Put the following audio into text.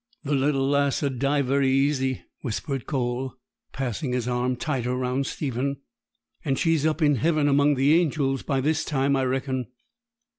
'The little lass 'ud die very easy,' whispered Cole, passing his arm tighter round Stephen; 'and she's up in heaven among the angels by this time, I reckon.'